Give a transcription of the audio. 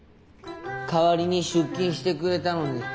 代わりに出勤してくれたので。